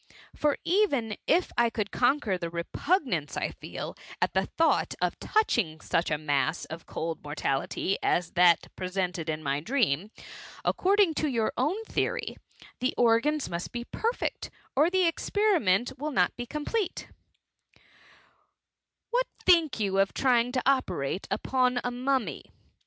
— ^For even if I could conquer the repugnance I feel at the thought of touchhig such a mass of oold inor* tality, M that presented in my dream, according to your own theory, the organs most be perfect, or the experiment wiU not be complete* ^* What think you of trying to operate upon a mummy